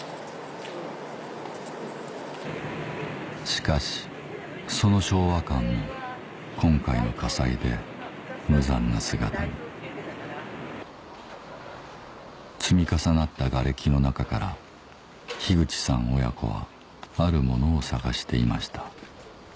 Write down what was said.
しかしその昭和館も今回の火災で無残な姿に積み重なったがれきの中から口さん親子はあるものを捜していました